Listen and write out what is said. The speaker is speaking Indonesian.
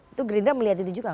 itu gerindra melihat itu juga